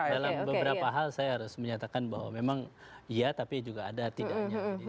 dalam beberapa hal saya harus menyatakan bahwa memang iya tapi juga ada tidaknya